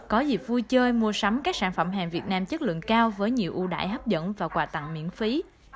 có dịp vui chơi mua sắm các sản phẩm hàng việt nam chất lượng cao với nhiều ưu đại hấp dẫn và quà tặng miễn phí